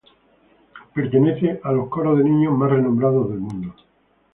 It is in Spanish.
Pertenece a los coros de niños más renombrados del mundo.